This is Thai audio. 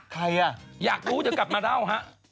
ใครอ่ะอยากรู้จะกลับมาเล่าฮะ